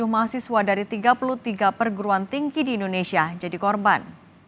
dua puluh mahasiswa dari tiga puluh tiga perguruan tinggi di indonesia jadi korban